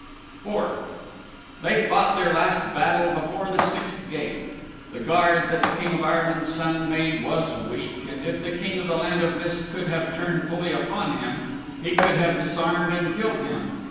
IV They fought their last battle before the sixth gate. The guard that the King of Ireland's Son made was weak, and if the King of the Land of Mist could have turned fully upon him, he could have disarmed and killed him.